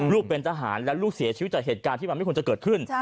เป็นทหารแล้วลูกเสียชีวิตจากเหตุการณ์ที่มันไม่ควรจะเกิดขึ้น